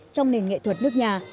trong nền nghệ thuật nước nhà